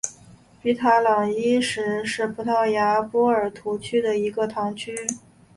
比塔朗伊什是葡萄牙波尔图区的一个堂区。